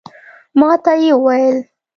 ماته یې وویل